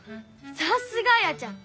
さすがあやちゃん！